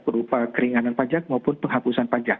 berupa keringanan pajak maupun penghapusan pajak